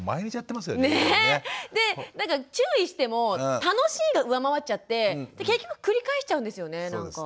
でなんか注意しても楽しいが上回っちゃって結局繰り返しちゃうんですよねなんか。